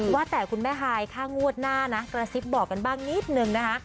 ว่าแต่คุณแม่ฮายค่างวดหน้านะกระซิบบอกกันบ้างนิดนึงนะคะ